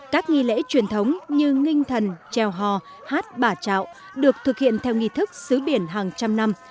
các nghi lễ truyền thống như nginh thần treo hò hát bà trạo được thực hiện theo nghi thức xứ biển hàng trăm năm